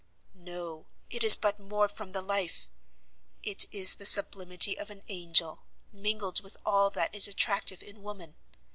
"No, it is but more from the life; it is the sublimity of an angel, mingled with all that is attractive in woman.